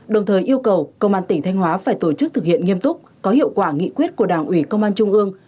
đồng thời yêu cầu công an tỉnh thanh hóa phải tổ chức thực hiện nghiêm túc có hiệu quả nghị quyết của đảng ủy công an trung ương